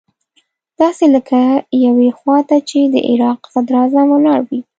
داسې لکه يوې خوا ته چې د عراق صدراعظم ولاړ وي.